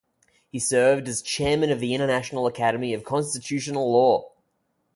He served as chairman of the International Academy of Constitutional Law.